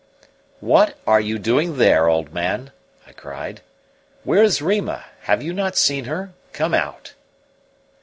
"What are you doing there, old man?" I cried. "Where is Rima have you not seen her? Come out."